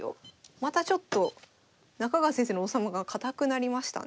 またちょっと中川先生の王様が堅くなりましたね。